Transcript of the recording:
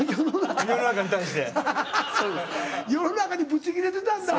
世の中にブチ切れてたんだ。